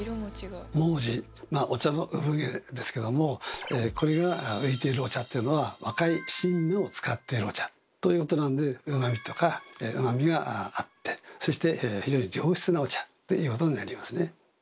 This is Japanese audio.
毛茸まあお茶の産毛ですけどもこれが浮いているお茶っていうのは若い新芽を使ってるお茶ということなんでうまみとか甘みがあってそして非常に上質なお茶ということになりますね。